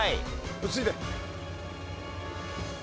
落ち着いて。